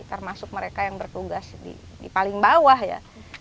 termasuk mereka yang bertugas di paling bawah ya